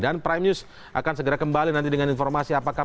dan prime news akan segera kembali nanti dengan informasi apakah ini berhasil